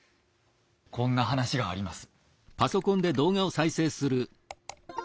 こんな話があります。